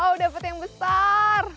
wow dapat yang besar